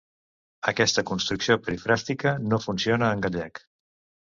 Aquesta construcció perifràstica no funciona en gallec.